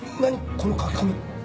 この書き込み。